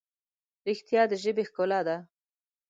رښتیا د ژبې ښکلا ده.